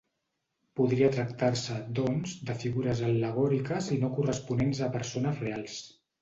Podria tractar-se, doncs, de figures al·legòriques i no corresponents a persones reals.